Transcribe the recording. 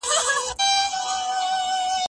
زه موبایل نه کاروم